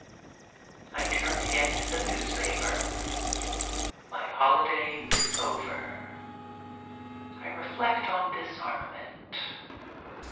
I turn again to the newspaper. My holiday is over. I reflect on disarmament.